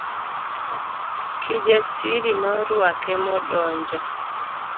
Kijasiri norwake modonjo.